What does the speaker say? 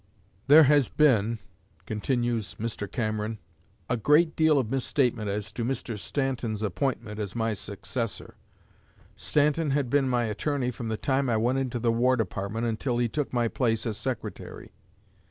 "There has been," continues Mr. Cameron, "a great deal of misstatement as to Mr. Stanton's appointment as my successor. Stanton had been my attorney from the time I went into the War Department until he took my place as Secretary.